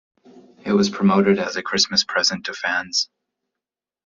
It was promoted as a "Christmas present" to fans.